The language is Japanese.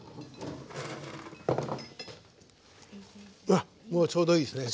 あっもうちょうどいいですね。